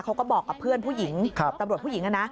เขาก็บอกกับเพื่อนผู้หญิงตำรวจผู้หญิงนะ